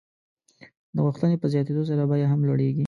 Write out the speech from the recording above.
د غوښتنې په زیاتېدو سره بیه هم لوړېږي.